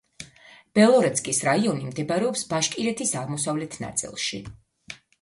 ბელორეცკის რაიონი მდებარეობს ბაშკირეთის აღმოსავლეთ ნაწილში.